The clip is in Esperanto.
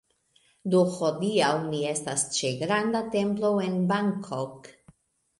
Do hodiaŭ ni estas ĉe granda templo en Bangkok